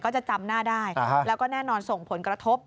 จะจำหน้าได้แล้วก็แน่นอนส่งผลกระทบ